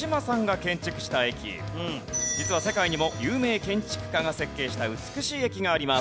実は世界にも有名建築家が設計した美しい駅があります。